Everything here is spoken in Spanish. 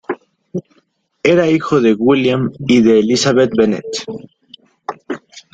Era hijo de William y de Elizabeth Bennett.